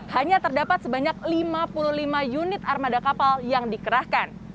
hanya terdapat sebanyak lima puluh lima unit armada kapal yang dikerahkan